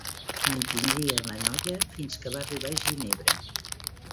Mantindria la noia fins que va arribar a Ginebra.